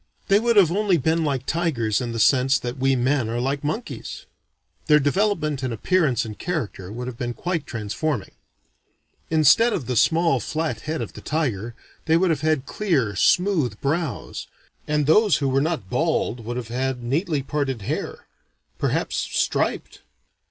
They would have only been like tigers in the sense that we men are like monkeys. Their development in appearance and character would have been quite transforming. Instead of the small flat head of the tiger, they would have had clear smooth brows; and those who were not bald would have had neatly parted hair perhaps striped.